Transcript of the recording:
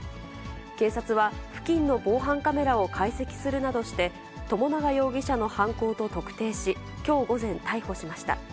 警察は、付近の防犯カメラを解析するなどして、友永容疑者の犯行と特定し、きょう午前、逮捕しました。